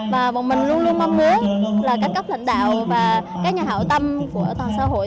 và bọn mình luôn luôn mong muốn là các cấp lãnh đạo và các nhà hảo tâm của toàn xã hội